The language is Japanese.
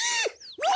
うわ！